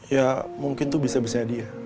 ya mungkin itu bisa bisa dia